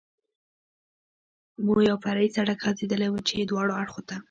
مو یو فرعي سړک غځېدلی و، چې دواړو اړخو ته.